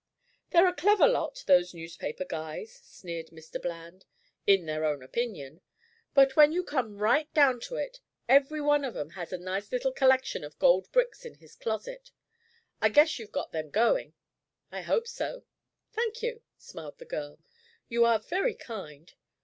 "They're a clever lot, those newspaper guys," sneered Mr. Bland, "in their own opinion. But when you come right down to it, every one of 'em has a nice little collection of gold bricks in his closet. I guess you've got them going. I hope so." "Thank you," smiled the girl. "You are very kind.